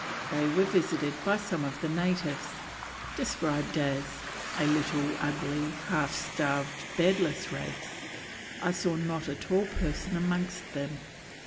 They were visited by some of the natives, described as "a little, ugly, half starved, beardless race; I saw not a tall person amongst them."